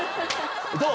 どう？